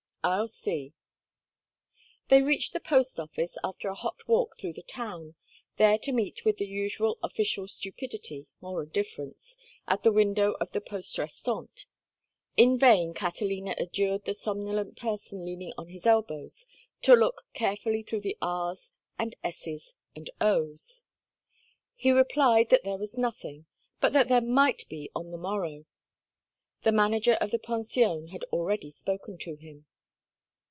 "I'll see." They reached the post office after a hot walk through the town, there to meet with the usual official stupidity, or indifference, at the window of the poste restante. In vain Catalina adjured the somnolent person leaning on his elbows to look carefully through the R's and S's and O's. He replied that there was nothing, but that there might be on the morrow; the manager of the pension had already spoken to him.